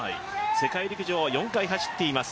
世界陸上は４回走っています